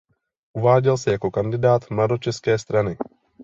Uváděl se jako kandidát mladočeské strany.